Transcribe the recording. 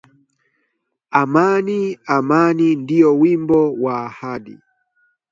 Amani! Amani! Ndio wimbo wa ahadi